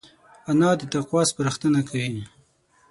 انا د تقوی سپارښتنه کوي